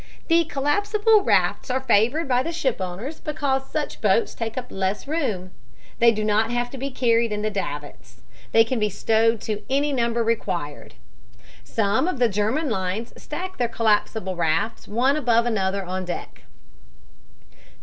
The collapsible rafts are favored by the ship owners because such boats take up less room; they do not have to be carried in the davits, and they can be stowed to any number required. Some of the German lines stack their collapsible rafts one above another on deck.